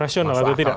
rational itu tidak